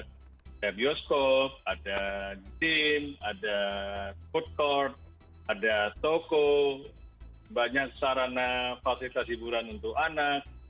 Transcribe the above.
di mall itu ada tabioskop ada gym ada food court ada toko banyak sarana fasilitas hiburan untuk anak